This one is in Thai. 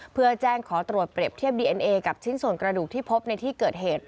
เพื่อแจ้งขอตรวจเปรียบเทียบดีเอ็นเอกับชิ้นส่วนกระดูกที่พบในที่เกิดเหตุ